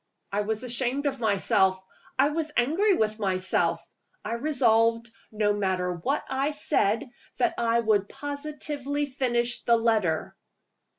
I was ashamed of myself; I was angry with myself I resolved, no matter what I said, that I would positively finish the letter.